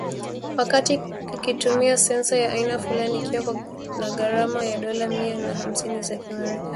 wakati kikitumia sensa ya aina fulani, ikiwa na gharama ya dola mia na hamsini za kimerekani